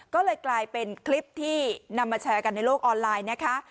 ก็เลยกลายเป็นคลิปที่นำมาแชร์กันในโลกออนไลน์นะคะ